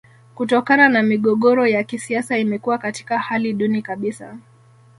Kutokana na migogoro ya kisiasa imekuwa katika hali duni kabisa